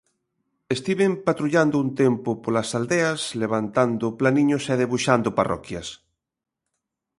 Estiven patrullando un tempo polas aldeas, levantando planiños e debuxando parroquias.